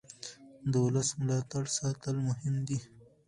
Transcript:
د ولس ملاتړ ساتل مهم دي